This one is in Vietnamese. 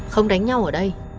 không đánh nhau ở đây